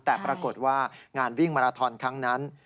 แต่ปรากฏว่างานวิ่งมาราทอนครั้งนั้น